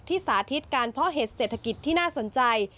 สาธิตการเพาะเห็ดเศรษฐกิจที่น่าสนใจ